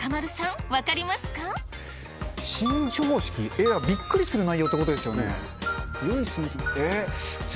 えっ？びっくりする内容ということですよね。